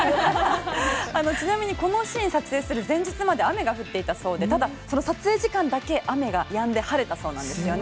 ちなみにこのシーン撮影する前日まで雨が降っていたそうでただその撮影時間だけ雨がやんで晴れたそうなんですよね。